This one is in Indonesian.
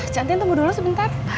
cantin tunggu dulu sebentar